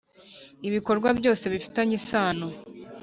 Ibikorwa byose bifitanye isano